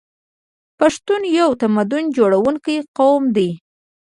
پښتون یو تمدن جوړونکی قوم دی.